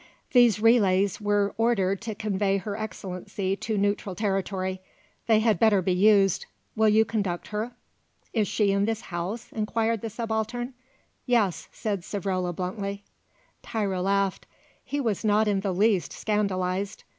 "These relays were ordered to convey Her Excellency to neutral territory; they had better be so used. Will you conduct her?" "Is she in this house?" inquired the Subaltern. "Yes," said Savrola bluntly. Tiro laughed; he was not in the least scandalised.